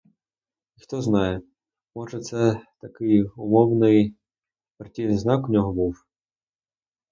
Хто знає, — може, це такий умовний партійний знак у них був.